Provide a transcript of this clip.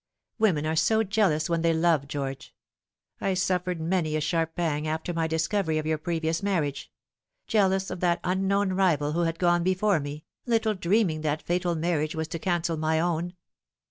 Women are so jeal ous where they love, George. I suffered many a sharp pang after my discovery of your previous marriage ; jealous of that unknown rival who had gone before me, little dreaming that fatal marriage was to cancel my own.